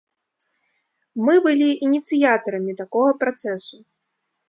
Мы былі ініцыятарамі такога працэсу.